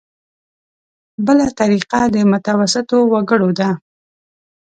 بله طریقه د متوسطو وګړو ده.